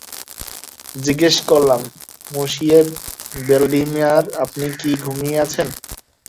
জিগ্যেস করলাম, মঁশিয়ে ভ্যালডিমার আপনি কি ঘুমিয়ে আছেন?